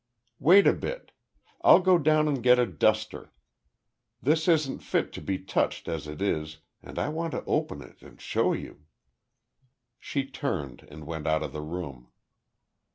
"Wait a bit. I'll go down and get a duster. This isn't fit to be touched as it is, and I want to open it and show you." She turned and went out of the room.